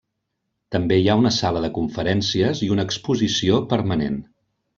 També hi ha una sala de conferències i una exposició permanent.